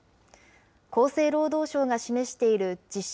厚生労働省が示している実施